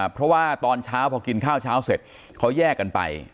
เพราะว่าตอนเช้าพอกินข้าวเช้าเสร็จเขาแยกกันไป